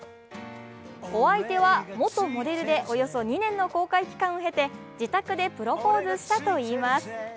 お相手は元モデルでおよそ２年の交際期間をへて自宅でプロポーズしたといいます。